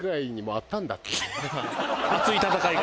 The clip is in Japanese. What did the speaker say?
熱い戦いが。